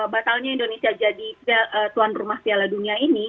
batalnya indonesia jadi tuan rumah piala dunia ini